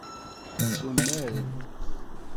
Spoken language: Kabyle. Tumared?